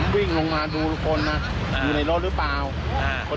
บินมาเบุรัณบินรถพยาบาลนำหน้า